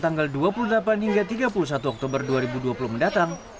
tanggal dua puluh delapan hingga tiga puluh satu oktober dua ribu dua puluh mendatang